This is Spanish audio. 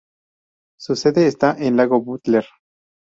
Su sede está en Lago Butler.